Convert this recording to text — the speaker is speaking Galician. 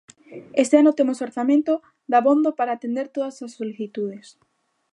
Este ano temos orzamento dabondo para atender todas as solicitudes.